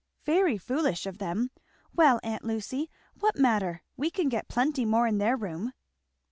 "Very foolish of them! Well, aunt Lucy, what matter? we can get plenty more in their room."